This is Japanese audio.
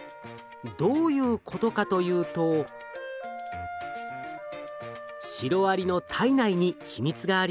どういうことかというとシロアリの体内に秘密があります。